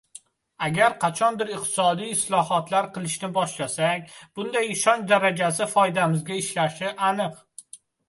Agar qachondir iqtisodiy islohotlar qilishni boshlasak, bunday ishonch darajasi foydamizga ishlashi aniq.